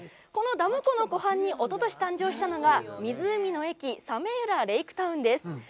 このダム湖の湖畔におととし誕生したのが、湖の駅さめうらレイクタウンです。